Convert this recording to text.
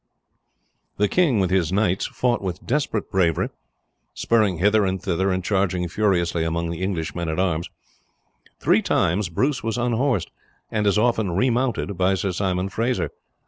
The king with his knights fought with desperate bravery, spurring hither and thither and charging furiously among the English men at arms. Three times Bruce was unhorsed and as often remounted by Sir Simon Fraser.